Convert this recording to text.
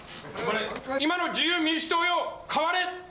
今の自由民主党よ、変われ。